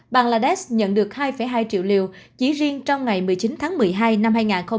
bangladesh nhận được hai hai triệu liều chỉ riêng trong ngày một mươi chín tháng một mươi hai năm hai nghìn hai mươi